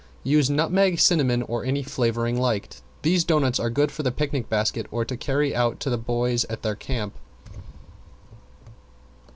Use nutmeg, cinnamon, or any flavoring liked. These doughnuts are good for the picnic basket or to carry out to the boys at their camp.